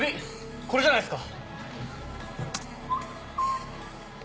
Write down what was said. これじゃないっすか？